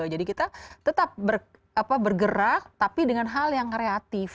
jadi kita tetap bergerak tapi dengan hal yang kreatif